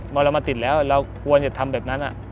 พอเรามาติดแล้วเราควรจะทำแบบนั้น